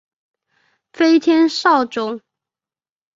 飞天扫帚。